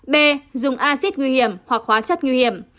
b dùng acid nguy hiểm hoặc hóa chất nguy hiểm